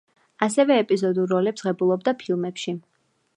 ასევე ეპიზოდურ როლებს ღებულობდა ფილმებში.